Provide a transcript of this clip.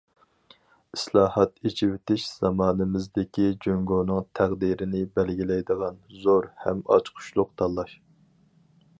ئىسلاھات، ئېچىۋېتىش زامانىمىزدىكى جۇڭگونىڭ تەقدىرىنى بەلگىلەيدىغان زور ھەم ئاچقۇچلۇق تاللاش.